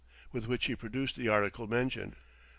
With which he produced the article mentioned.